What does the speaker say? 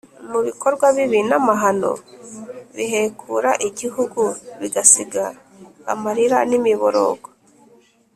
mu bikorwa bibi n’amahano bihekura igihugu bigasiga amarira n’imiborogo.